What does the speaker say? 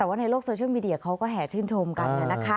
แต่ว่าในโลกโซเชียลมีเดียเขาก็แห่ชื่นชมกัน